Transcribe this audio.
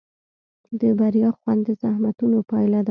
د بریا خوند د زحمتونو پایله ده.